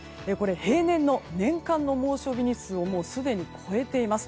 平年の年間の猛暑日日数をすでに超えています。